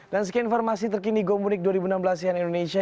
dan sekian informasi terkini go muntik dua ribu enam belas cnn indonesia